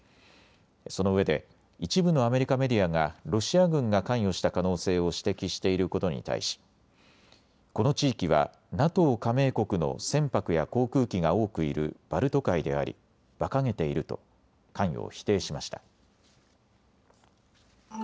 そのうえで一部のアメリカメディアがロシア軍が関与した可能性を指摘していることに対しこの地域はＮＡＴＯ加盟国の船舶や航空機が多くいるバルト海であり、ばかげていると関与を否定しました。